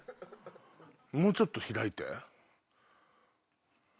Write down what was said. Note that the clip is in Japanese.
もうちょっと開いて。